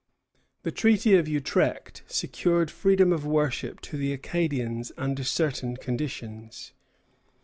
The Treaty of Utrecht secured freedom of worship to the Acadians under certain conditions.